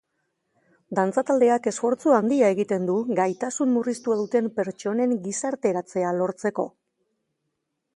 Dantza taldeak esfortzu handia egiten du gaitasun murriztua duten pertsonen gizarteratzea lortzeko.